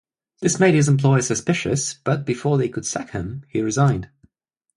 This made his employer suspicious, but before they could sack him, he resigned.